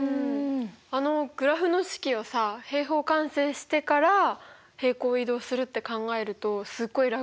あのグラフの式をさ平方完成してから平行移動するって考えるとすっごい楽だよね。